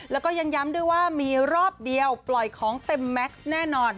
แล้วก็ยังย้ำด้วยว่ามีรอบเดียวปล่อยของเต็มแม็กซ์แน่นอน